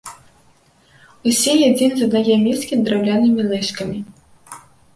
Усе ядзім з аднае міскі драўлянымі лыжкамі.